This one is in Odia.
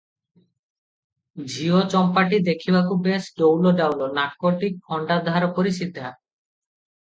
ଝିଅ ଚମ୍ପାଟି ଦେଖିବାକୁ ବେଶ ଡୌଲଡାଉଲ, ନାକଟି ଖଣ୍ଡାଧାର ପରି ସିଧା ।